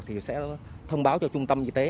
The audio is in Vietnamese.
thì sẽ thông báo cho trung tâm y tế